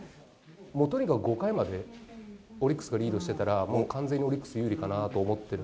とにかく５回まで、オリックスがリードしていたら、もう完全にオリックス有利かなと思って。